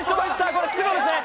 これ白ですね。